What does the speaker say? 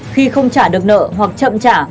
khi không trả được nợ hoặc chậm trả